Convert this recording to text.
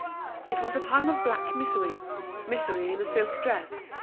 It was a time of black misery—misery in a silk dress.